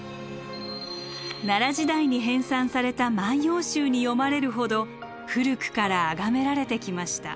奈良時代に編さんされた「万葉集」に詠まれるほど古くからあがめられてきました。